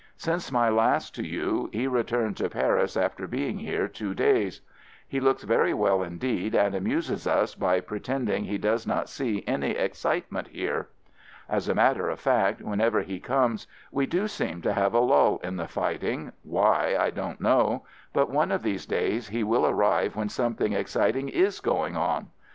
Since my last to you he returned to Paris after being here two days. He FIELD SERVICE 39 looks very well, indeed, and amuses us by pretending he does not see any excitement here. As a matter of fact, whenever he comes, we do seem to have a lull in the fighting — why, I don't know — but one of these days he will arrive when something ex citing is going on.